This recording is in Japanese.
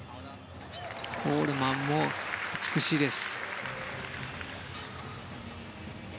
コールマンも美しいです。